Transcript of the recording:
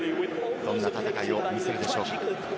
どういった戦いを見せるでしょうか。